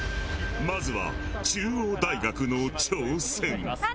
まずは中央大学の挑戦。